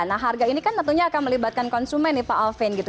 nah harga ini kan tentunya akan melibatkan konsumen nih pak alvin gitu